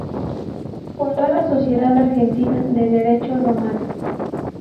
Fundó la Sociedad Argentina de Derecho Romano.